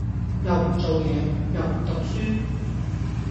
又唔做嘢又唔讀書